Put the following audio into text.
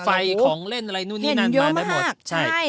รถไฟของเล่นอะไรนู่นนี่นั่นมาได้หมดเห็นเยอะมากใช่ใช่